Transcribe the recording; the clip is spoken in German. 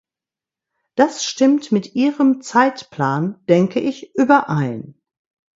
Das stimmt mit Ihrem Zeitplan, denke ich, überein.